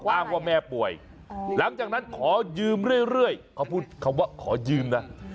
อ้างว่าแม่ป่วยหลังจากนั้นขอยืมเรื่อยเขาพูดคำว่าขอยืมนะ